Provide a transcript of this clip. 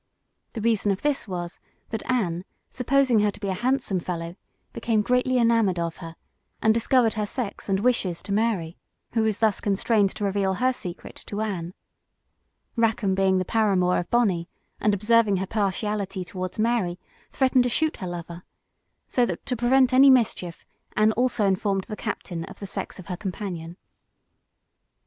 The reason of this was, that Anne, supposing her to be a handsome fellow, became greatly enamored of her, and discovered her sex and wishes to Mary, who was thus constrained to reveal her secret to Anne. Rackam being the paramour of Bonney, and observing her partiality towards Mary, threatened to shoot her lover; so that to prevent any mischief, Anne also informed the captain of the sex of her companion.